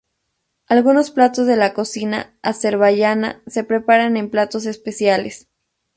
Algunos platos de la cocina azerbaiyana se preparan en platos especiales.